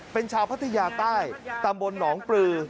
เป็นชาวพัทยาใต้ตำบลหนองปลือ